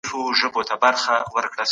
ولسي جرګي به د بيمي ملي سيسټم فعال کړی وي.